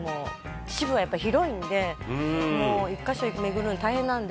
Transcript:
「秩父はやっぱ広いんでもう１カ所めぐるのに大変なんですね」